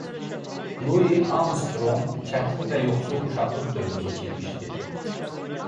Lui Armstronq çətin və yoxsul uşaqlıq dövrü keçirmişdir.